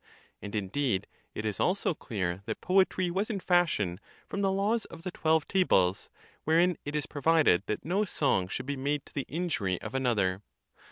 And, indeed, it is also clear that poetry was in fashion from the laws of the Twelve Tables, wherein it is provided that no song should be made to the injury of another.